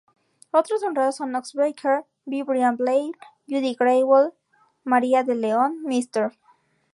Otros honrados son Ox Baker, B. Brian Blair, Judy Grable, Maria DeLeon, Mr.